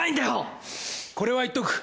これは言っとく。